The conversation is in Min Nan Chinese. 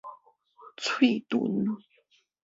喙脣